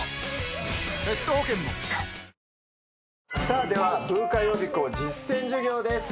さあではブーカ予備校実践授業です。